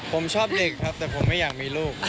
ผมชอบเด็กครับแต่ผมไม่อยากมีลูก